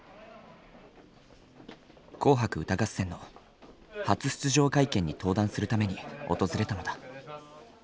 「紅白歌合戦」の初出場会見に登壇するために訪れたのだ。